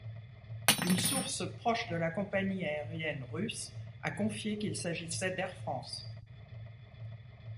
Une source proche de la compagnie aérienne russe a confié qu'il s'agissait d'Air France.